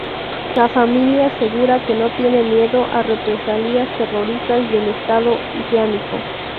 La familia asegura que no tiene miedo a represalias terroristas del Estado Islámico.